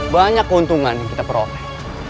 banyak keuntungan yang kita peroleh